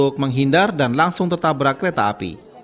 untuk menghindar dan langsung tertabrak kereta api